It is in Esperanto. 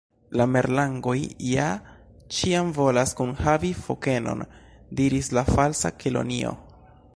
"La Merlangoj ja ĉiam volas kunhavi fokenon," diris la Falsa Kelonio.